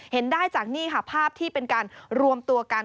เห็นได้จากนี่ค่ะภาพที่เป็นการรวมตัวกัน